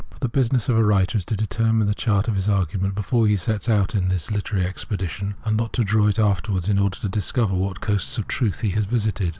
For the business of a writer is to determine the chart of his argument before he sets out on his literary expedition, and not to draw it afterwards in order to discover what coasts of truth he has visited.